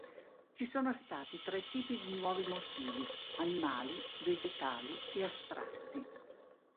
Ci sono stati tre tipi di nuovi motivi: animali, vegetali e astratti.